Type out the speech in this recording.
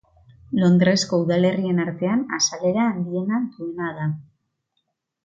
Londresko udalerrien artean azalera handiena duena da.